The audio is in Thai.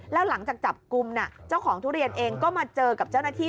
แล้วหลังจากจับกลุ่มเจ้าของทุเรียนเองก็มาเจอกับเจ้าหน้าที่